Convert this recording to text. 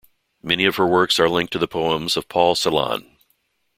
Many of her works are linked to the poems of Paul Celan.